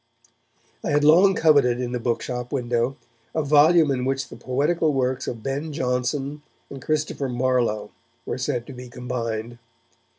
I had long coveted in the bookshop window a volume in which the poetical works of Ben Jonson and Christopher Marlowe were said to be combined.